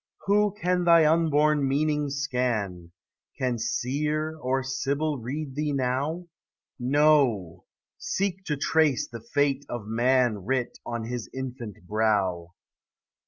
Who can thy unborn meaning scan? Can Seer or Sibyl read thee now? No, seek to trace the fate of man Writ on his infant brow.